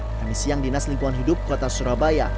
dan di siang dinas lingkuan hidup kota surabaya